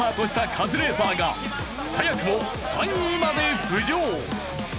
カズレーザーが早くも３位まで浮上。